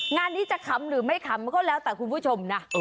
งานนี้จะขำหรือไม่ขำก็แล้วแต่คุณผู้ชมนะ